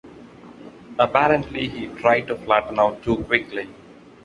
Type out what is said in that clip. Apparently he tried to flatten out too quickly.